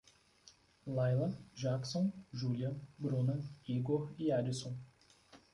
Laila, Jakson, Julha, Bruna, Igor e Adson